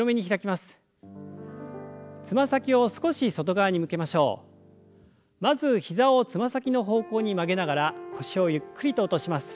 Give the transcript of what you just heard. まず膝をつま先の方向に曲げながら腰をゆっくりと落とします。